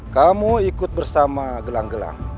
kamu ikut bersama gelang gelang